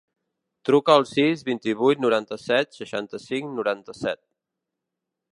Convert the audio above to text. Truca al sis, vint-i-vuit, noranta-set, seixanta-cinc, noranta-set.